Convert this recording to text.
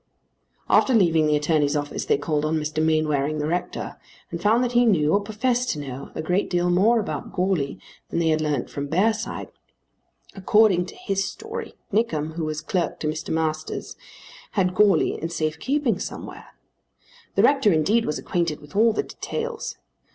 After leaving the attorney's office they called on Mr. Mainwaring the rector, and found that he knew, or professed to know, a great deal more about Goarly, than they had learned from Bearside. According to his story Nickem, who was clerk to Mr. Masters, had Goarly in safe keeping somewhere. The rector indeed was acquainted with all the details.